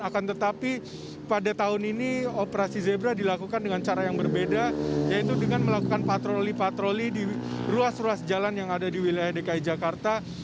akan tetapi pada tahun ini operasi zebra dilakukan dengan cara yang berbeda yaitu dengan melakukan patroli patroli di ruas ruas jalan yang ada di wilayah dki jakarta